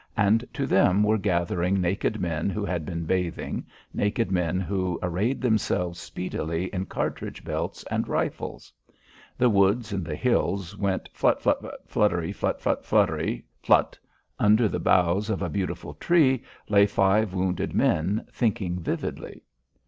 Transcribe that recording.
And to them were gathering naked men who had been bathing, naked men who arrayed themselves speedily in cartridge belts and rifles. The woods and the hills went flut flut flut fluttery fluttery flut fllllluttery flut. Under the boughs of a beautiful tree lay five wounded men thinking vividly.